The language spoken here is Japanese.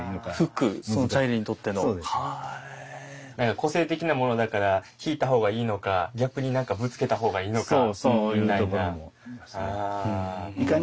個性的なものだから引いた方がいいのか逆に何かぶつけた方がいいのかみたいな。